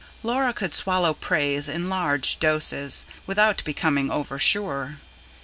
Laura could swallow praise in large doses, without becoming over sure.